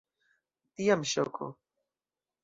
Tiam ŝoko.